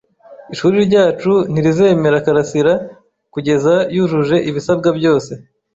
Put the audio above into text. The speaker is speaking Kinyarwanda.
Ishuri ryacu ntirizemera karasira kugeza yujuje ibisabwa byose.